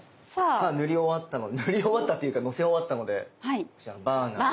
さあ塗り終わったので塗り終わったというかのせ終わったのでこちらのバーナーで。